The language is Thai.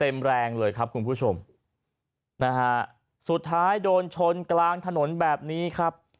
เต็มแรงเลยครับคุณผู้ชมนะฮะสุดท้ายโดนชนกลางถนนแบบนี้ครับ